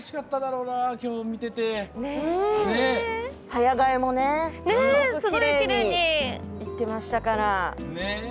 早替えもすごくきれいにいってましたから。